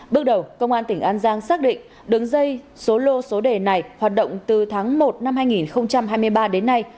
bước đầu công an tp hcm xác định đứng dây số lô số đề này hoạt động từ tháng một năm hai nghìn hai mươi ba đến nay